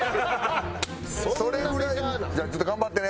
それぐらいじゃあ頑張ってね。